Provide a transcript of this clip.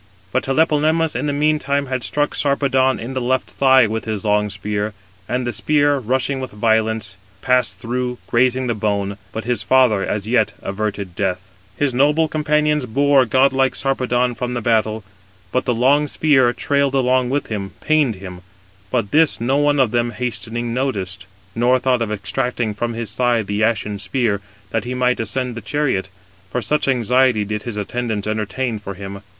But Tlepolemus in the meantime had struck Sarpedon in the left thigh with his long spear; and the spear, rushing with violence, passed through, grazing the bone: but his father as yet averted death. His noble companions bore godlike Sarpedon from the battle; but the long spear, trailed along with him, pained him; but this no one of them hastening noticed, nor thought of extracting from his thigh the ashen spear, that he might ascend the chariot; for such anxiety did his attendants entertain for him.